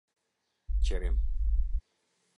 Qerim